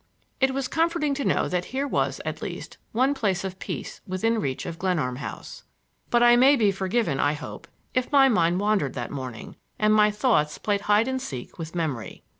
It was comforting to know that here was, at least, one place of peace within reach of Glenarm House. But I may be forgiven, I hope, if my mind wandered that morning, and my thoughts played hide and seek with memory.